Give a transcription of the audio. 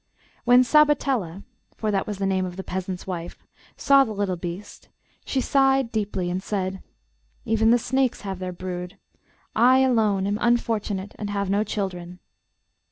When Sabatella, for that was the name of the peasant's wife, saw the little beast, she sighed deeply and said, 'Even the snakes have their brood; I alone am unfortunate and have no children.